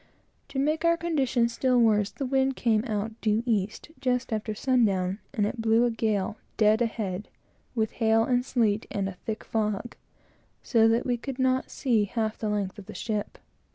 To make our condition still worse, the wind came out due east, just after sundown, and it blew a gale dead ahead, with hail and sleet, and a thick fog, so that we could not see half the length of the ship.